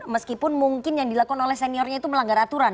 meskipun mungkin yang dilakukan oleh seniornya itu melanggar aturan